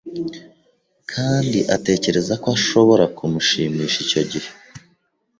Kandi atekereza ko ashobora kumushimisha icyo gihe